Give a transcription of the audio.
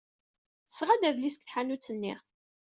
Tesɣa-d adlis seg tḥanut-nni.